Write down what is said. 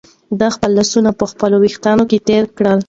ده خپل لاس په خپلو وېښتانو کې تېر کړ.